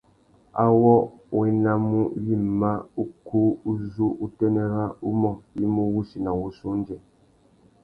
Awô wa enamú wïmá ukú uzu utênê râ umô i mú wussi na wuchiô undjê.